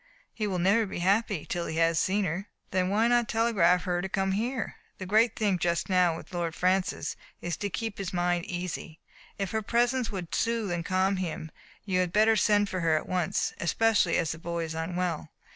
He will never be happy till he has seen her." "Then why not telegraph to her to come here? The great thing just now with Lord Francis is to keep his mind easy. If her presence would soothe and calm him you had better send for her at once, especially as the boy is unwell.